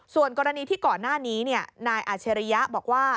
ส่วนกรณีที่ก่อนหน้านี้นายอาชริยะบอกว่า